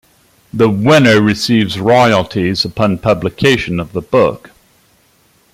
The winner receives royalties upon publication of the book.